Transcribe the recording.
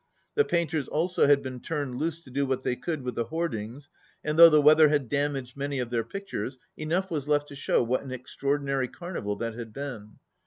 The painters also had been turned loose to do what they could with the hoardings, and though the weather had dam aged many of their pictures, enough was left to show what an extraordinary carnival that had been.